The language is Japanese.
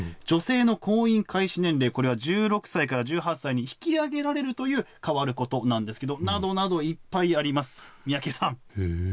女性の婚姻開始年齢、これは１６歳から１８歳に引き上げられるという、変わることなんですけれども、などなどいっぱいあります。